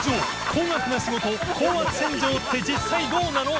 祕幣高額な仕事高圧洗浄って実際どうなの？